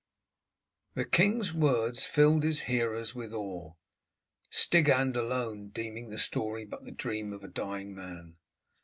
The king's words filled his hearers with awe, Stigand alone deeming the story but the dream of a dying man.